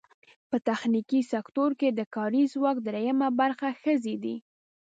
په تخنیکي سکټور کې د کاري ځواک درېیمه برخه ښځې دي.